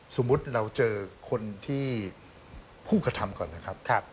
สมมุติเราเจอคนที่ผู้กระทำก่อนนะครับ